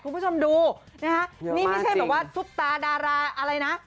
คุณผู้ชมดูนะฮะนี่ไม่ใช่แบบว่าซุปตาดาราอะไรนะ